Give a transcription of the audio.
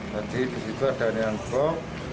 tadi di situ ada neon bomb